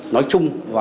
nói chung và